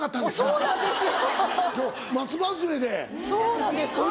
そうなんですよ。